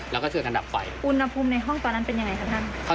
แล้วก็ช่วยกันดับไฟอุณหภูมิในห้องตอนนั้นเป็นยังไงคะท่าน